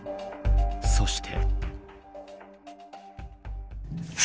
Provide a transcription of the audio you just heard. そして。